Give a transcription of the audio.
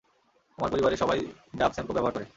আমার পরিবারের সবাই ডাব স্যাম্পো ব্যবহার করে।